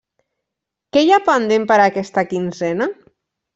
Què hi ha pendent per a aquesta quinzena?